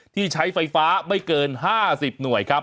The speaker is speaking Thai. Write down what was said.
ที่ใช้ไฟฟ้าไม่เกิน๕๐หน่วยครับ